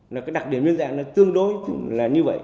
nói cái đặc điểm nhân dạng là tương đối là như vậy